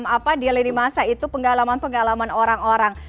apa di lini masa itu pengalaman pengalaman orang orang